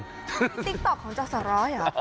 ติ๊กต๊อกของจอสร้อยเหรอ